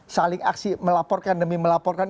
saling aksi melaporkan demi melaporkan